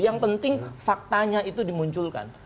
yang penting faktanya itu dimunculkan